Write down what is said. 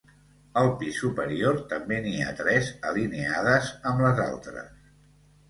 Al pis superior també n'hi ha tres, alineades amb les altres.